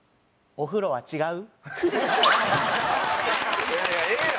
「お風呂は違う？」